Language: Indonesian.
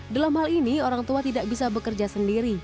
dalam hal ini orang tua tidak bisa bekerja sendiri